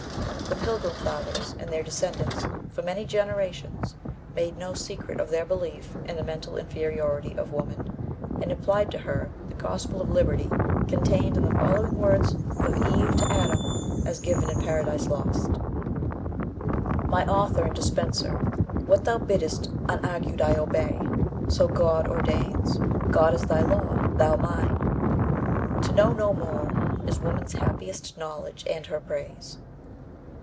The Pilgrim Fathers and their descendants for many generations made no secret of their belief in the mental inferiority of woman, and applied to her the gospel of liberty contained in the following words of Eve to Adam as given in Paradise Lost: "My author and dispenser, what thou bidst Unargued I obey; so God ordains; God is thy law, thou mine: to know no more Is woman's happiest knowledge and her praise."